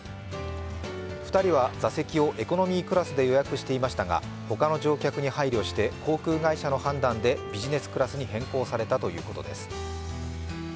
２人は座席をエコノミークラスで予約していましたが他の乗客に配慮して、航空会社の判断でビジネスクラスに変更されたということです。